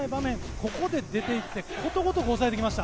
ここで、出て行ってことごとく抑えてきました。